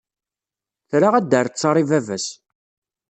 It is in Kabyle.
Tra ad d-terr ttaṛ i baba-s.